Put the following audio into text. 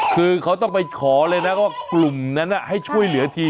คือเขาต้องไปขอเลยนะว่ากลุ่มนั้นให้ช่วยเหลือที